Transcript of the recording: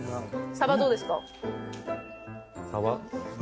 サバどうですか？